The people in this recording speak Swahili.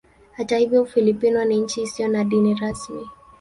Hata hivyo Ufilipino ni nchi isiyo na dini rasmi.